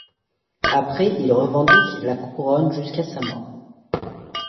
Après il revendique la couronne jusqu’à sa mort.